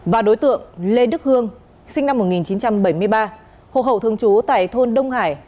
và đối tượng lê đức hương sinh năm một nghìn chín trăm bảy mươi ba hộp hậu thương chú tại thôn đông hải